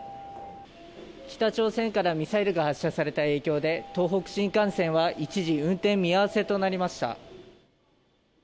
北朝鮮からミサイルが発射された影響で、東北新幹線は一時、運転見合わせとなりました。